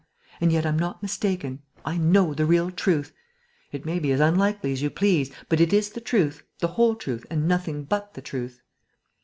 And yet I'm not mistaken: I know the real truth.... It may be as unlikely as you please, but it is the truth, the whole truth and nothing but the truth."